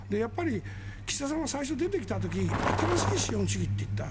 岸田さんは最初出てきた時新しい資本主義と言った。